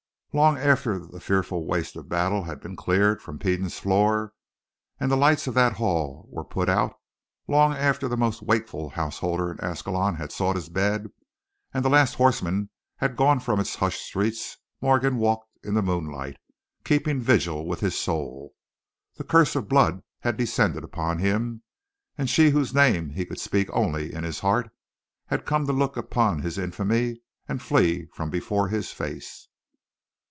Long after the fearful waste of battle had been cleared from Peden's floor, and the lights of that hall were put out; long after the most wakeful householder of Ascalon had sought his bed, and the last horseman had gone from its hushed streets, Morgan walked in the moonlight, keeping vigil with his soul. The curse of blood had descended upon him, and she whose name he could speak only in his heart, had come to look upon his infamy and flee from before his face.